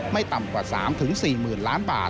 ไม่ต่ำกว่า๓๔๐๐๐ล้านบาท